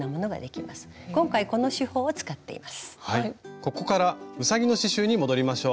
ここからうさぎの刺しゅうに戻りましょう。